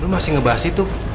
lo masih ngebahas itu